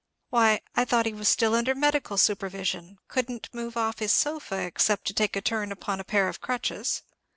Why, I thought he was still under medical supervision—couldn't move off his sofa, except to take a turn upon a pair of crutches."